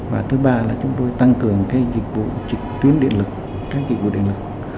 và thứ ba là chúng tôi tăng cường dịch vụ trực tuyến điện lực các dịch vụ điện lực